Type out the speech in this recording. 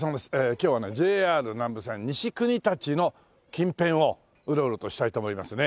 今日はねＪＲ南武線西国立の近辺をうろうろとしたいと思いますね。